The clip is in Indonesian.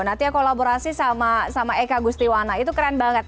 nanti ya kolaborasi sama eka gustiwana itu keren banget